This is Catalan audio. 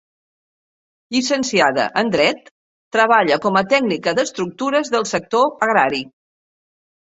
Llicenciada en dret, treballa com a tècnica d'estructures del sector agrari.